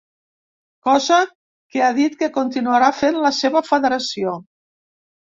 Cosa que ha dit que continuarà fent la seva federació.